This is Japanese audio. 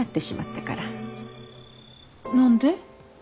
何で？